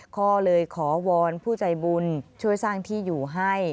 พ่อเลยขอวอนผู้ใจบุญช่วยสร้างที่อยู่ให้